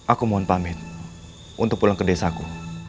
aku mohon pamin untuk pulang ke desaku